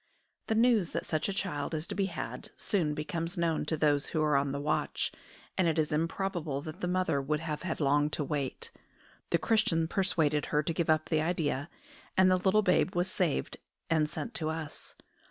The news that such a child is to be had soon becomes known to those who are on the watch, and it is improbable that the mother would have had long to wait. The Christian persuaded her to give up the idea, and the little babe was saved and sent to us.